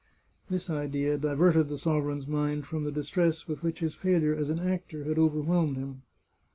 This idea diverted the sovereign's mind from the distress with which his failure as an actor had overwhelmed him.